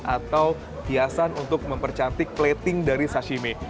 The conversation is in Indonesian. atau hiasan untuk mempercantik plating dari sashimi